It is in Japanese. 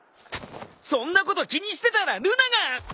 そんなこと気にしてたらルナが。